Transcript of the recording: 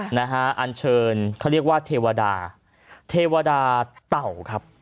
นะฮะอันเชิญเขาเรียกว่าเทวดาเทวดาเต่าครับ